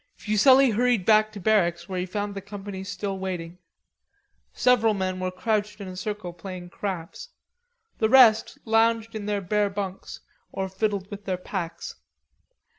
Fuselli hurried back to barracks where he found the company still waiting. Several men were crouched in a circle playing craps. The rest lounged in their bare bunks or fiddled with their packs.